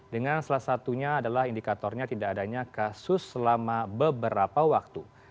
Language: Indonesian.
dengan salah satunya adalah indikatornya tidak adanya kasus selama beberapa waktu